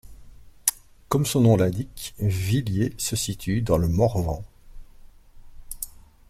Comme son nom l'indique, Villiers se situe dans le Morvan.